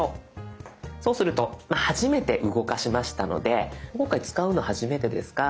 そうすると初めて動かしましたので今回使うの初めてですか。